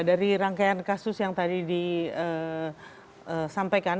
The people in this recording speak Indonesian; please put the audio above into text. dari rangkaian kasus yang tadi disampaikan